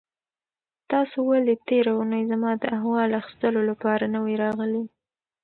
تاسو ولې تېره اونۍ زما د احوال اخیستلو لپاره نه وئ راغلي؟